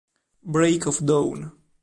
Break of Dawn